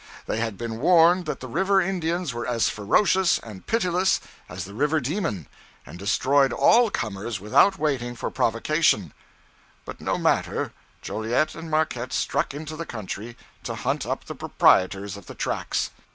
They had been warned that the river Indians were as ferocious and pitiless as the river demon, and destroyed all comers without waiting for provocation; but no matter, Joliet and Marquette struck into the country to hunt up the proprietors of the tracks.